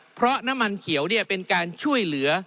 เพราะน้ำมันเขียวเป็นการช่วยเหลือ